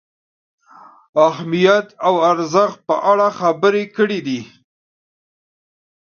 اهمیت او ارزښت په اړه خبرې کړې دي.